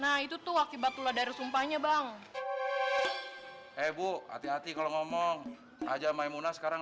nah itu tuh akibat keluar dari sumpahnya bang eh bu hati hati kalau ngomong aja maimuna sekarang